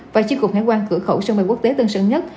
và chiếc cục hải quan cửa khẩu sân bay quốc tế tân sơn nhất